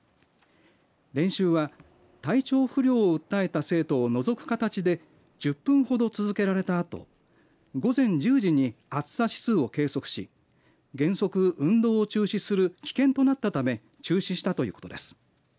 練習は体調不良を訴えた生徒を除く形で１０分ほど続けられたあと午前１０時に暑さ指数を計測し原則、運動を中止する危険となったため中止したということです。